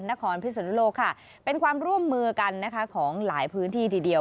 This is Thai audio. นครพิศนโลกเป็นความร่วมมือกันของหลายพื้นที่ทีเดียว